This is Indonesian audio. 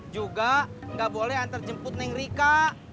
juga gak boleh antar jemput neng rika